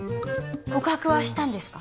告白はしたんですか？